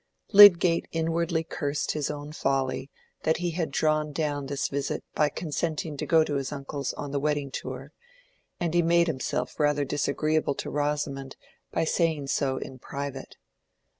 Lydgate inwardly cursed his own folly that he had drawn down this visit by consenting to go to his uncle's on the wedding tour, and he made himself rather disagreeable to Rosamond by saying so in private.